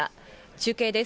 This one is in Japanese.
中継です。